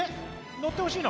乗ってほしいの。